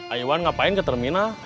aywan ngapain ke terminal